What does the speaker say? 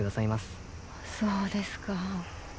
そうですか。